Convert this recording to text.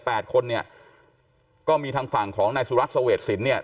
แปดคนเนี่ยก็มีทางฝั่งของนายสุรัสตร์เศรษฐ์ศิลป์เนี่ย